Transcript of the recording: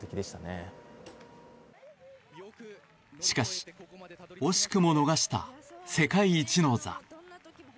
しかし、惜しくも逃した世界一の座。